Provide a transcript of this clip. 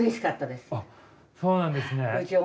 そうなんですね。